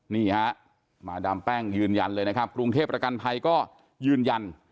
นี่ฮะมาดามแป้งยืนยันเลยนะครับกรุงเทพประกันภัยก็ยืนยัน